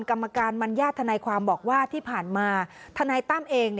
กรรมการมัญญาติทนายความบอกว่าที่ผ่านมาทนายตั้มเอง